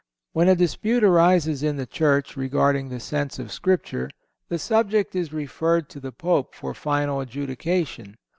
When a dispute arises in the Church regarding the sense of Scripture the subject is referred to the Pope for final adjudication.